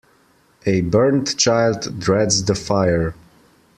A burnt child dreads the fire.